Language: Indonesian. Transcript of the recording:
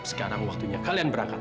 sekarang waktunya kalian berangkat